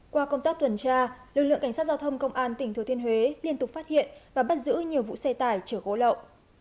qua công tác tuần tra lực lượng cảnh sát giao thông công an tỉnh thừa thiên huế liên tục phát hiện và bắt giữ nhiều vụ xe tải chở gỗ lậu